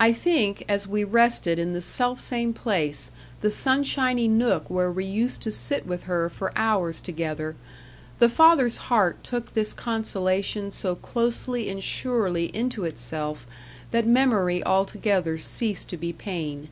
I think, as we rested in the self same place, the sunshiny nook where we used to sit with her for hours together, the father's heart took this consolation so closely and surely into itself that memory altogether ceased to be pain.